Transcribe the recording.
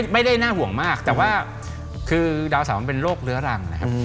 ไม่ได้น่าห่วงมากแต่ว่าคือดาวเสามันเป็นโรคเรื้อรังนะครับ